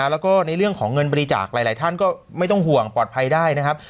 แล้วก็ในเรื่องของเงินบริจาคหลายท่านก็ไม่ต้องห่วงปลอดภัยได้นะครับ